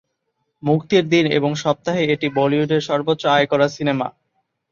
মুক্তির দিন এবং সপ্তাহে এটি বলিউডের সর্বোচ্চ আয় করা সিনেমা।